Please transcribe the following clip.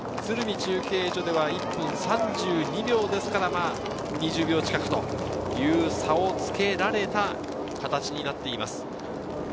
中継所では１分３２秒でしたから、２０秒近くという差をつけられた形になっています。